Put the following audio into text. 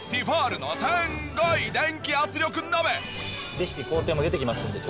レシピ工程も出てきますんで。